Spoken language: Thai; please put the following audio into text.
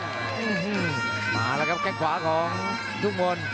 โอ้โหมาแล้วครับแค่งขวาของทุ่งม้อน